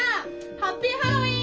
ハッピーハロウィーン！